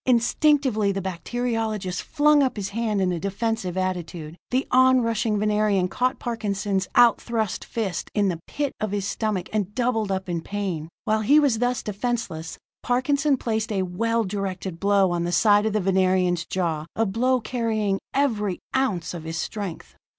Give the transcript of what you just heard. Instinctively the bacteriologist flung up his hand in a defensive attitude. The onrushing Venerian caught Parkinson's out thrust fist in the pit of his stomach, and doubled up in pain. While he was thus defenseless, Parkinson placed a well directed blow on the side of the Venerian's jaw, a blow carrying every ounce of his strength.